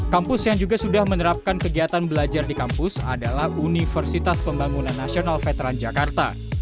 kampus yang juga sudah menerapkan kegiatan belajar di kampus adalah universitas pembangunan nasional veteran jakarta